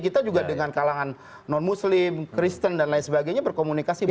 kita juga dengan kalangan non muslim kristen dan lain sebagainya berkomunikasi